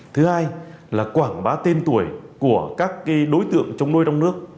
thứ hai là quảng bá tên tuổi của các đối tượng chống nuôi trong nước